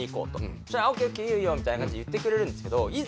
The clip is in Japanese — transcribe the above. そしたら「ＯＫいいよ」みたいな感じで言ってくれるんですけどいざ